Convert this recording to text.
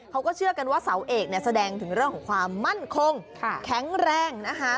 เขาก็เชื่อกันว่าเสาเอกเนี่ยแสดงถึงเรื่องของความมั่นคงแข็งแรงนะคะ